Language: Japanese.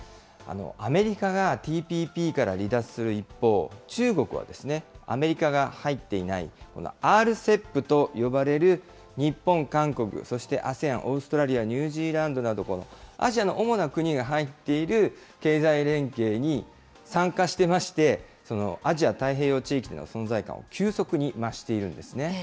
アメリカがＴＰＰから離脱する一方、中国は、アメリカが入っていない、このＲＣＥＰと呼ばれる日本、韓国、そしてＡＳＥＡＮ、オーストラリア、ニュージーランドなど、アジアの主な国が入っている経済連携に参加してまして、アジア太平洋地域での存在感を急速に増しているんですね。